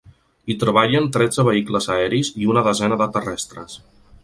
Hi treballen tretze vehicles aeris i una desena de terrestres.